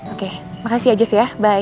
oke makasih ya jess ya bye